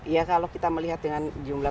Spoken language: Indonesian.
ya kalau kita melihat dengan jumlah